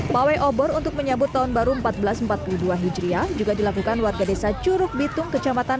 pawai obor untuk menyambut tahun baru seribu empat ratus empat puluh dua hijriah juga dilakukan warga desa curug bitung kecamatan